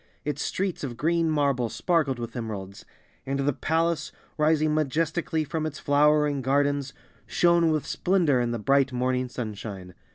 Its streets of green marble sparkled with emeralds, and the palace, rising majestically from its flowering gardens, shone with splendor in the bright morning sunshine.